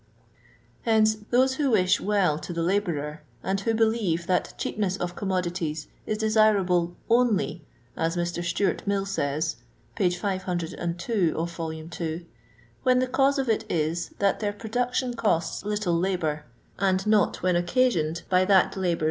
Hence, those who wish well to the labourer, and who believe that cheap ness of commodities is desirable "only," as Mr. Stewart Mill says (p. 502, vol. ii.), "when the cause of it is, that their production costs little hibour, and not when occasioned by that labour's No.